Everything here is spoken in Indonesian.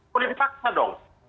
boleh dipaksa dong